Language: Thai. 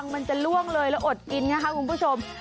มันจะล่วงเลยแล้วอดกินนะคะคุณผู้ชม